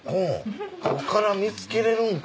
おから見つけられるんか。